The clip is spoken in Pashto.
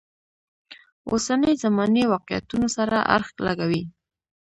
اوسنۍ زمانې واقعیتونو سره اړخ لګوي.